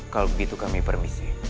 kalau begitu kami permisi